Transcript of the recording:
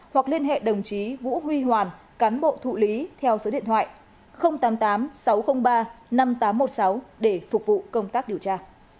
hoặc liên hệ đồng chí vũ huy hoàn cán bộ thụ lý theo số điện thoại tám mươi tám sáu trăm linh ba năm nghìn tám trăm một mươi sáu để phục vụ công tác điều tra